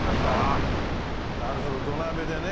ああなるほど土鍋でね。